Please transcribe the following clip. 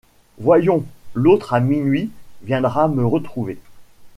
Voyons. — L’autre à minuit viendra me retrouver.